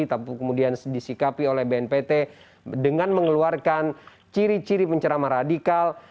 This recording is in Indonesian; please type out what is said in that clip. tapi kemudian disikapi oleh bnpt dengan mengeluarkan ciri ciri pencerama radikal